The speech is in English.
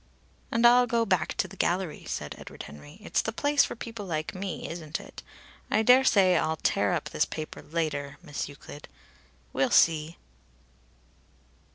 "And I'll go back to the gallery," said Edward Henry. "It's the place for people like me, isn't it? I daresay I'll tear up this paper later, Miss Euclid we'll see."